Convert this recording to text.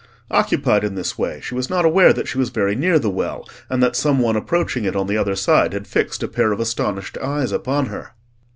Occupied in this way, she was not aware that she was very near the well, and that some one approaching it on the other side had fixed a pair of astonished eyes upon her.